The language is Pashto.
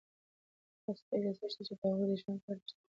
تاسو ته اجازه شته چې د هغوی د ژوند په اړه پوښتنې وکړئ.